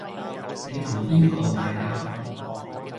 你同邊個嗌交